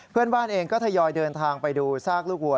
เพื่อนบ้านเองก็ทยอยเดินทางไปดูซากลูกวัว